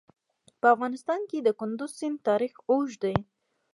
په افغانستان کې د کندز سیند تاریخ اوږد دی.